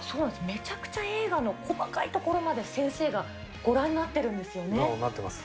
めちゃくちゃ映画の細かいとこまで先生がご覧になってるんでなってます。